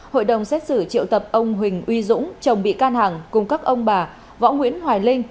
hội đồng xét xử triệu tập ông huỳnh uy dũng chồng bị can hằng cùng các ông bà võ nguyễn hoài linh